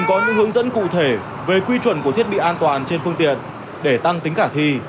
có những hướng dẫn cụ thể về quy chuẩn của thiết bị an toàn trên phương tiện để tăng tính khả thi